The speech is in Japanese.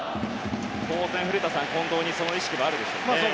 当然、近藤にその意識はあるでしょうね。